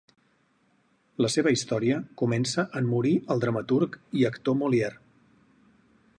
La seva història comença en morir el dramaturg i actor Molière.